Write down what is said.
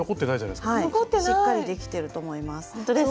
しっかりできてると思います。